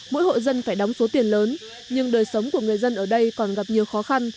mỗi hộ dân phải đóng số tiền lớn nhưng đời sống của người dân ở đây còn gặp nhiều khó khăn